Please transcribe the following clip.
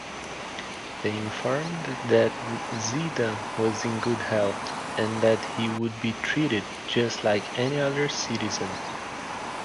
They informed that Zeidan was “in good health”, and that he would be treated “just like any other citizen”.